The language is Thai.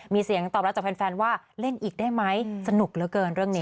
มีเสียงตอบรับจากแฟนว่าเล่นอีกได้ไหมสนุกเหลือเกินเรื่องนี้